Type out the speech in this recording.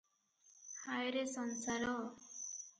ହାୟରେ ସଂସାର ।